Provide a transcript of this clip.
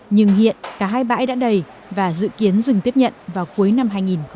nhưng hiện cả hai bãi đã đầy và dự kiến dừng tiếp nhận vào cuối năm hai nghìn hai mươi